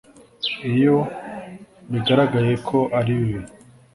iyo bigaragaye ko ari bibi.